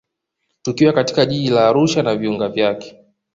Tukiwa katika jiji la Arusha na viunga vyake